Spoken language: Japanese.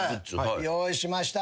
用意しました。